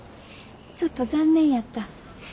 ちょっと残念やった。